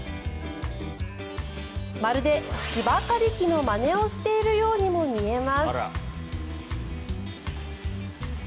まるで芝刈り機のまねをしているようにも見えます。